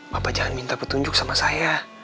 bapak jangan minta petunjuk sama saya